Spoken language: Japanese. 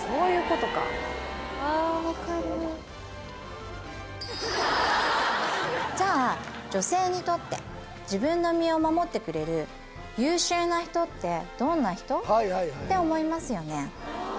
分かるじゃあ女性にとって自分の身を守ってくれる優秀な人ってどんな人？って思いますよね